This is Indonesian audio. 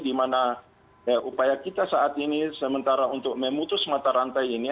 di mana upaya kita saat ini sementara untuk memutus mata rantai ini